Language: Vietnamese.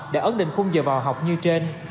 đã ấn định khung giờ vào học như trên